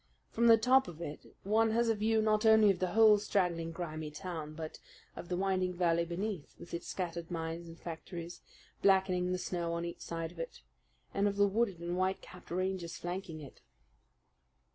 From the top of it one has a view not only of the whole straggling, grimy town, but of the winding valley beneath, with its scattered mines and factories blackening the snow on each side of it, and of the wooded and white capped ranges flanking it.